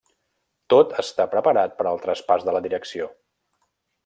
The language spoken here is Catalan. Tot està preparat per al traspàs de la direcció.